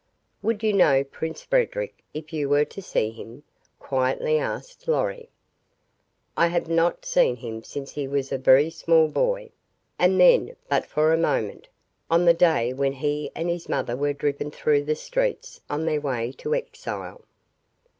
"Would you know Prince Frederic if you were to see him?" quietly asked Lorry. "I have not seen him since he was a very small boy, and then but for a moment on the day when he and his mother were driven through the streets on their way to exile."